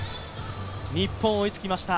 日本、追いつきました。